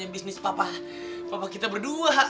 bapak ini jenis bapak bapak kita berdua